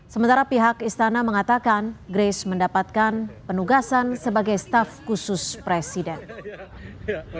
sementara pihak istana mengatakan grace mendapatkan penugasan sebagai staf khusus presiden